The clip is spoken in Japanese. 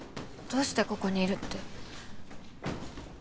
どうしてここにいるって。